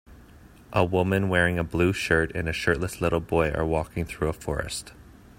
A woman wearing a blue shirt and a shirtless little boy are walking through a forest.